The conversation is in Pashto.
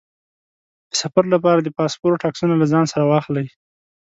د سفر لپاره د پاسپورټ عکسونه له ځان سره واخلئ.